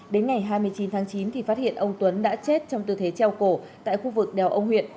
đến ngày hai mươi chín tháng chín thì phát hiện ông tuấn đã chết trong tư thế treo cổ tại khu vực đèo ông huyện